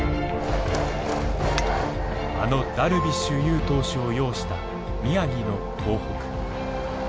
あのダルビッシュ有投手を擁した宮城の東北。